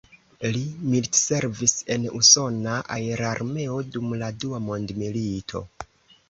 Li militservis en usona aerarmeo dum la Dua Mondmilito.